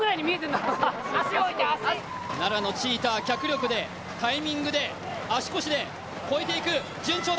奈良のチーター、脚力でタイミングで、足腰で越えていく、順調だ。